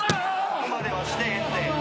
そこまではしてへんて。